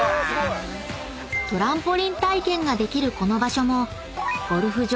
［トランポリン体験ができるこの場所も］